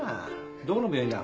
どこの病院だ？